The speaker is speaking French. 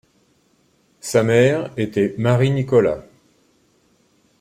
Sa mère était Marie Nicolas.